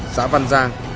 xã văn giang